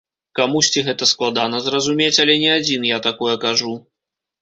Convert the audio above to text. Камусьці гэта складана зразумець, але не адзін я такое кажу.